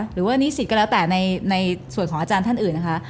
หรือว่านิสิตก็แล้วแต่ในส่วนของอาจารย์ท่านอื่นนะคะ